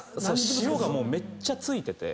塩がめっちゃ付いてて。